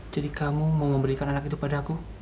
jadi kamu mau memberikan anak itu padaku